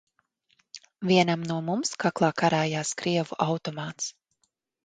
Vienam no mums kaklā karājās krievu automāts.